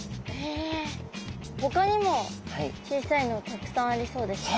ほかにも小さいのたくさんありそうですね。